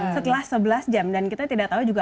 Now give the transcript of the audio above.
setelah sebelas jam dan kita tidak tahu juga